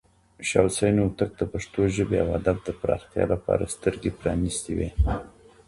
شاه حسين هوتک د پښتو ژبې او ادب د پراختیا لپاره سترګې پرانستې وې.